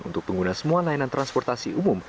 untuk pengguna semua layanan transportasi umum